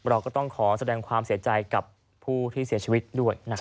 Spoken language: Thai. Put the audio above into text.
เราก็ต้องขอแสดงความเสียใจกับผู้ที่เสียชีวิตด้วยนะครับ